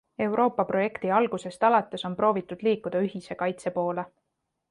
Euroopa projekti algusest alates on proovitud liikuda ühise kaitse poole.